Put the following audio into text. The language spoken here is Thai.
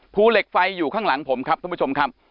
ภูเหล็กไฟอยู่ข้างหลังผมครับท่านผู้ชมครับ